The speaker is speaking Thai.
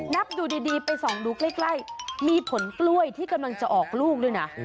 นับดูดีไปส่องดูใกล้มีผลกล้วยที่กำลังจะออกลูกด้วยนะ